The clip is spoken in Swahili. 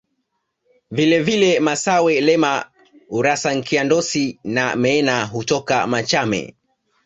Vile vile Massawe Lema Urassa Nkya Ndosi na Meena hutoka Machame